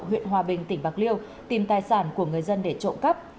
huyện hòa bình tỉnh bạc liêu tìm tài sản của người dân để trộm cắp